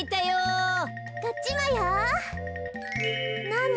なに？